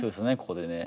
ここでね。